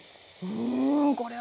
うんこれは。